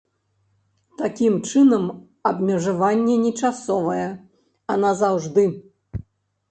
Такім чынам, абмежаванне не часовае, а назаўжды.